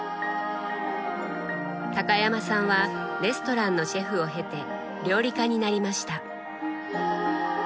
高山さんはレストランのシェフを経て料理家になりました。